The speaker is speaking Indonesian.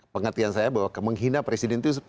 pengertian saya bahwa menghina presiden itu